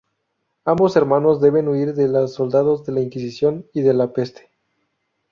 Ambos hermanos deben huir de los soldados de la Inquisición y de la peste.